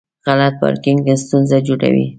غلط پارکینګ ستونزه جوړوي.